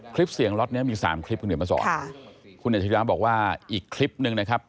คลิปเสียงล็อตนี้มี๓คลิปคุณเดี๋ยวมาสอนคุณอาจารย์บอกว่าอีกคลิปหนึ่งนะครับ